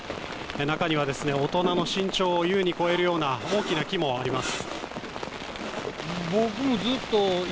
中には大人の身長を優に超えるような大きな木もあります。